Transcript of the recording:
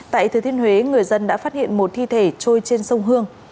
tại thừa thiên huế người dân đã phát hiện một thi thể trôi trên sông hương